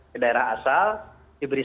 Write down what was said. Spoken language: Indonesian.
ke daerah asal diberi